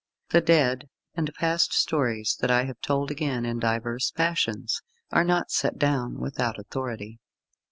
The dead and past stories that I have told again in divers fashions, are not set down without authority.